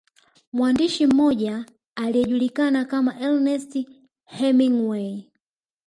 Mwandishi mmoja aliyejulikana kama Ernest Hemingway